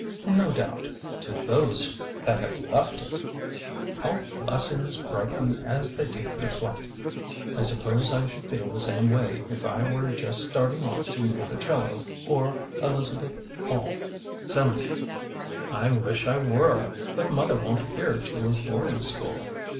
''No doubt— to those that have left it! 'How bless ings brighten as they take their flight !' I suppose I should feel the same way if I were just starting off to Monticello or Elizabeth Aul Seminary. I wish I were! But mother won't hear to a boarding school.